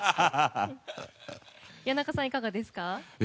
谷中さん、いかがですか。